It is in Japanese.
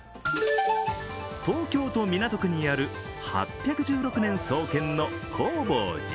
東京都港区にある８１６年創建の弘法寺。